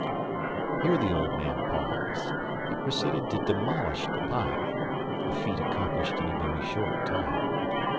Here the old man paused, and proceeded to demolish the pie a feat accomplished in a very short time.